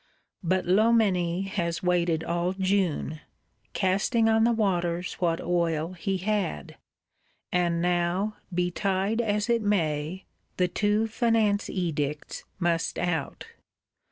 But Loménie has waited all June, casting on the waters what oil he had; and now, betide as it may, the two Finance Edicts must out.